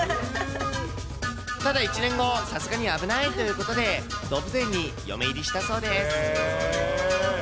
ただ１年後、さすがに危ないということで、動物園に嫁入りしたそうです。